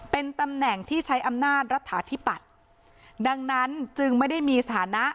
เป็นตำแหน่งที่ใช้อำนาจรัฐาธิปัตย์ดังนั้นจึงไม่ได้มีสถานะ